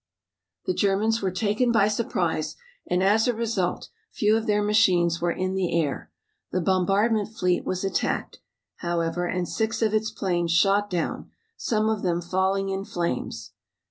The Germans were taken by surprise and as a result few of their machines were in the air. The bombardment fleet was attacked, however, and six of its planes shot down, some of them falling in flames.